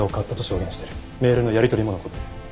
メールのやり取りも残っている。